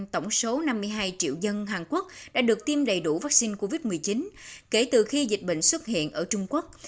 bảy mươi chín một tổng số năm mươi hai triệu dân hàn quốc đã được tiêm đầy đủ vaccine covid một mươi chín kể từ khi dịch bệnh xuất hiện ở trung quốc